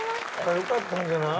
よかったんじゃない。